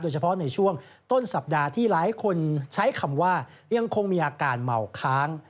เฉพาะในช่วงต้นสัปดาห์ที่หลายคนใช้คำว่ายังคงมีอาการเหมาค้าง